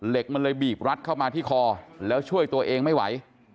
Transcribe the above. เหล็กมันเลยบีบรัดเข้ามาที่คอแล้วช่วยตัวเองไม่ไหว